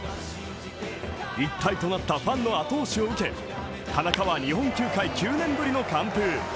一体となったファンの後押しを受け田中は日本球界９年ぶりの完封。